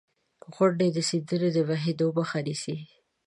• غونډۍ د سیندونو د بهېدو مخه نیسي.